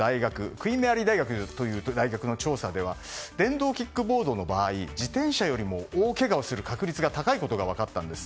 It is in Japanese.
クイーン・メアリー大学という大学の調査では電動キックボードの場合自転車よりも大けがをする確率が高いことがわかったんです。